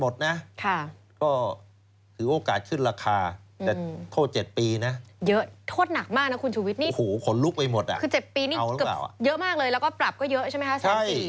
แล้วก็ปรับก็เยอะใช่ไหมครับแซมปี